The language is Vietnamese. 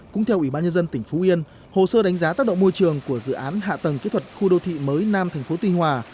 cũng theo ubnd tỉnh phú yên hồ sơ đánh giá tác động môi trường của dự án hạ tầng kỹ thuật khu đô thị mới nam tp tuy hòa